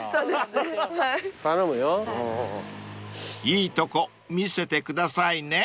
［いいとこ見せてくださいね］